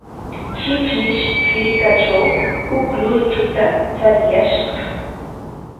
Shipshish hirkatraw huk luychuta chariyashqa.